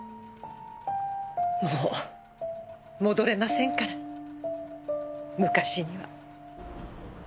もう戻れませんから昔には。